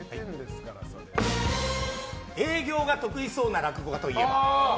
営業が得意そうな落語家といえば？